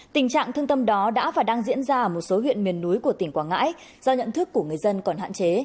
tình trạng thương tâm đó đã và đang diễn ra ở một số huyện miền núi của tỉnh quảng ngãi do nhận thức của người dân còn hạn chế